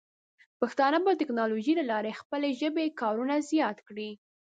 پښتانه به د ټیکنالوجۍ له لارې د خپلې ژبې کارونه زیات کړي.